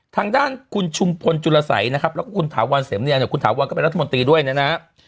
ทางด้านคุณชุมพลจุลสัยนะครับแล้วก็คุณถาวรเสมเนียงเนี่ยคุณถาวรก็เป็นรัฐมนตรีด้วยนะฮะ